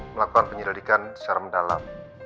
melakukan penyelidikan secara mendalam